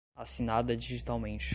assinada digitalmente